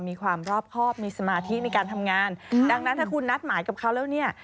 มีความรอบครอบมีสมาธิในการทำงานดังนั้นถ้าคุณนัดหมายกับเขาแล้วเนี่ย